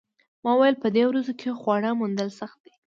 ما وویل په دې ورځو کې خواړه موندل سخت دي